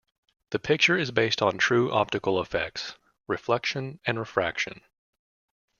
The picture is based on true optical effects, reflection and refraction.